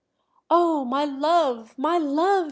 "Oh, my love, my love!"